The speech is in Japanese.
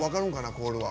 コールは。